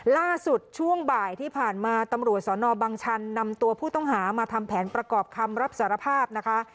ล่าสุดช่วงบ่ายที่ผ่านมาตำรวจสนบังชันนำตัวผู้ต้องหามาทำแผนประกอบคำรับสารภาพนะคะ